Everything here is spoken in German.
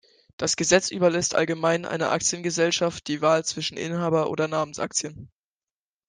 Das Gesetz überlässt allgemein einer Aktiengesellschaft die Wahl zwischen Inhaber- oder Namensaktien.